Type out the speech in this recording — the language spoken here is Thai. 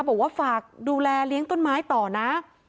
บอกว่าฝากดูแลเลี้ยงต้นไม้ต่อนะ